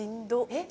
えっ？